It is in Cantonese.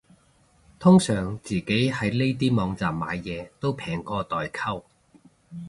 通常自己喺呢啲網站買嘢都平過代購